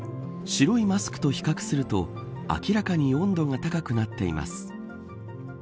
白いマスクと比較すると明らかに温度が高くなっています。